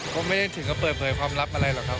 ก็ไม่ได้ถึงก็เปิดเผยความลับอะไรหรอกครับ